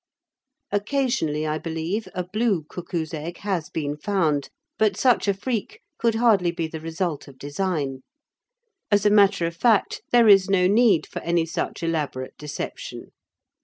Occasionally, I believe, a blue cuckoo's egg has been found, but such a freak could hardly be the result of design. As a matter of fact, there is no need for any such elaborate deception.